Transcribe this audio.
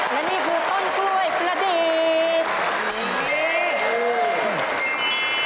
และนี่คือต้นกล้วยประดี